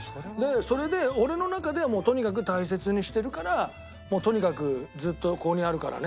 それで俺の中ではとにかく大切にしてるからとにかくずっとここにあるからねって。